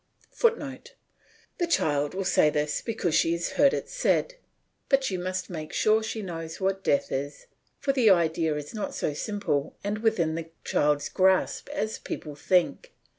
[Footnote: The child will say this because she has heard it said; but you must make sure she knows what death is, for the idea is not so simple and within the child's grasp as people think.